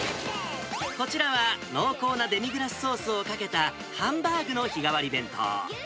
こちらは濃厚なデミグラスソースをかけたハンバーグの日替わり弁当。